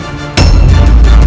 sandikah gusti prabu